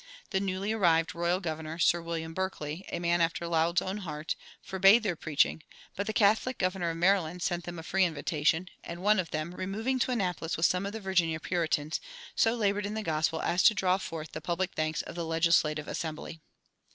The newly arrived royal governor, Sir William Berkeley, a man after Laud's own heart, forbade their preaching; but the Catholic governor of Maryland sent them a free invitation, and one of them, removing to Annapolis with some of the Virginia Puritans, so labored in the gospel as to draw forth the public thanks of the legislative assembly.